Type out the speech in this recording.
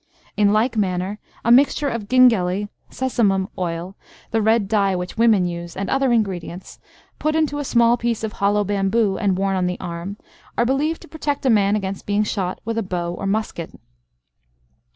In like manner, a mixture of gingelly (Sesamum) oil, the red dye which women use, and other ingredients, put into a small piece of hollow bamboo, and worn on the arm, are believed to protect a man against being shot with a bow or musket.